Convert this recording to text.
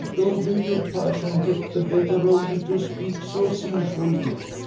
don't let your passion get the better o' ye, to speak so sinfully.